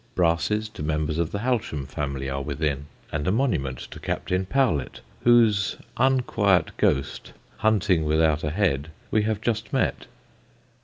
Brasses to members of the Halsham family are within, and a monument to Captain Powlett, whose unquiet ghost, hunting without a head, we have just met.